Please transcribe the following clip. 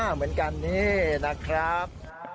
เหมือนกันนี่นะครับ